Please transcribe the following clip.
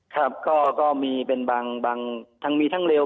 ครับก็มีเป็นบางทั้งมีทั้งเร็ว